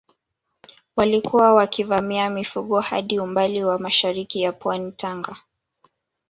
Walikuwa wakivamia mifugo hadi umbali wa mashariki ya pwani ya Tanga